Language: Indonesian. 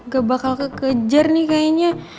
ke bakal kekejar nih kayaknya